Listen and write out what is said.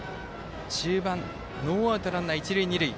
中盤、ノーアウトランナー、一塁二塁。